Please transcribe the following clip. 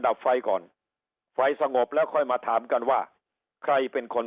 ดับไฟก่อนไฟสงบแล้วค่อยมาถามกันว่าใครเป็นคน